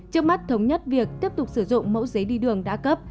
trước mắt thống nhất việc tiếp tục sử dụng mẫu giấy đi đường đã cấp